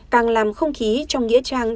càng làm không khí trong nghĩa trang